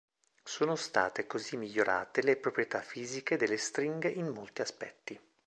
Sono state così migliorate le proprietà fisiche delle stringhe in molti aspetti.